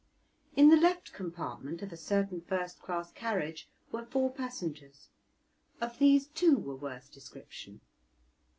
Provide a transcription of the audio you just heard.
In the left compartment of a certain first class carriage were four passengers; of these two were worth description.